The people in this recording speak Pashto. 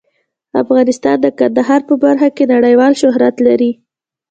افغانستان د کندهار په برخه کې نړیوال شهرت لري.